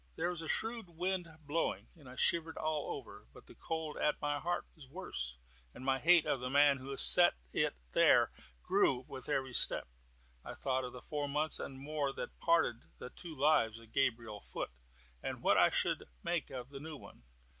There was a shrewd wind blowing, and I shivered all over; but the cold at my heart was worse, and my hate of the man who had set it there grew with every step. I thought of the four months and more which parted the two lives of Gabriel Foot, and what I should make of the new one.